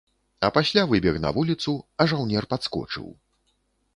А пасля выбег на вуліцу, а жаўнер падскочыў.